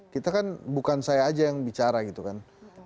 kita kan bukan saya aja yang bicara gitu kan